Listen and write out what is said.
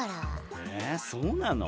えそうなの？